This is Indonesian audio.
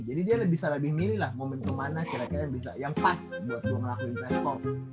dia bisa lebih milih lah momen kemana kira kira yang bisa yang pas buat gue ngelakuin transport